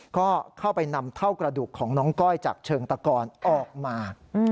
ก็เข้าไปนำเท่ากระดูกของน้องก้อยจากเชิงตะกรออกมา